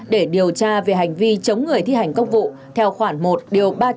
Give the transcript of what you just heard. để điều tra về hành vi chống người thi hành công vụ theo khoản một ba trăm ba mươi bộ luật hình sự